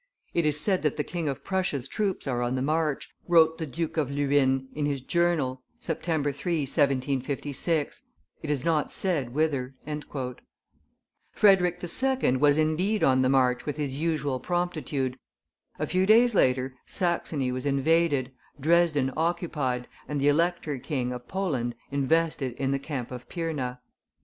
"It is said that the King of Prussia's troops are on the march," wrote the Duke of Luynes in his journal (September 3, 1756); "it is not said whither." Frederick II. was indeed on the march with his usual promptitude; a few days later, Saxony was invaded, Dresden occupied, and the Elector king of Poland invested in the camp of Pirna.